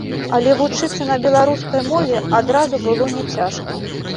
Але вучыцца на беларускай мове адразу было няцяжка.